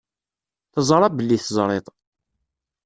Teẓra belli teẓriḍ.